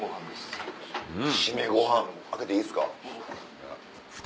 締めご飯開けていいですか？